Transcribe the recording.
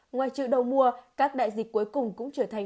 ngoài chợ đầu mùa các đại dịch cuối cùng cũng trở thành